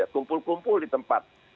kumpul kumpul di tempat